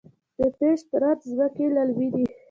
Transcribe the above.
د پشت رود ځمکې للمي دي